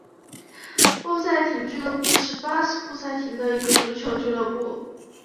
布赛廷俱乐部是巴林布赛廷的一个足球俱乐部。